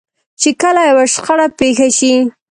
چې کله يوه شخړه پېښه شي.